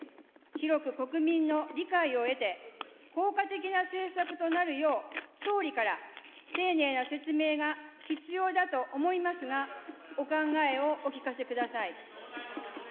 広く国民の理解を得て、効果的な政策となるよう、総理から丁寧な説明が必要だと思いますが、お考えをお聞かせください。